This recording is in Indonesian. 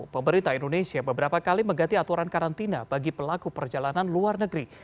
pemerintah indonesia beberapa kali mengganti aturan karantina bagi pelaku perjalanan luar negeri